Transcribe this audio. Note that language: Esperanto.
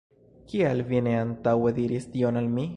Kial vi ne antaŭe diris tion al mi?